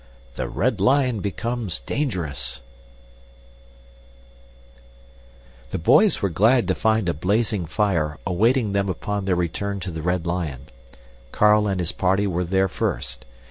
The Red Lion Becomes Dangerous The boys were glad to find a blazing fire awaiting them upon their return to the Red Lion. Carl and his party were there first.